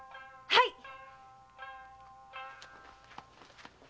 はい！